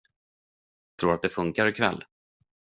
Tror du att det funkar till ikväll?